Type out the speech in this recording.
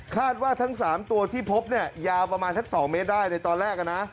คาดว่าทั้งสามตัวที่พบยาวประมาณถึง๒เมตรได้ในตอนแรกนะ